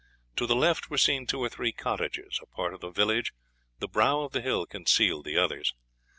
To the left were seen two or three cottages, a part of the village, the brow of the hill concealed the others.